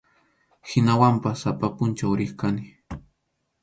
Hinawanpas sapa pʼunchaw riq kani.